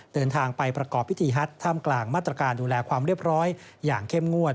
เดินทางไปประกอบพิธีฮัทท่ามกลางมาตรการดูแลความเรียบร้อยอย่างเข้มงวด